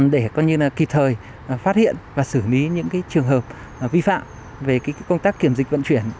để kịp thời phát hiện và xử lý những trường hợp vi phạm về công tác kiểm dịch vận chuyển